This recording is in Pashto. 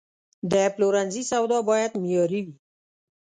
د پلورنځي سودا باید معیاري وي.